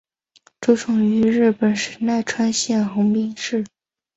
出生于日本神奈川县横滨市。